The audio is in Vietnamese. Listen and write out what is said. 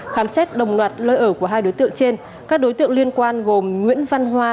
khám xét đồng loạt lơi ở của hai đối tượng trên các đối tượng liên quan gồm nguyễn văn hoa